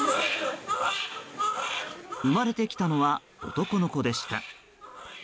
生まれてきたのは男の子でした。